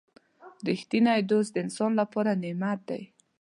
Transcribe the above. • رښتینی دوست د انسان لپاره نعمت دی.